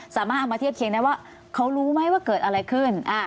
สามารถเอามาเทียบเคียงได้ว่าเขารู้ไหมว่าเกิดอะไรขึ้น